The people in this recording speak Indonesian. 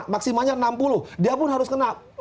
maksimalnya enam puluh dia pun harus kena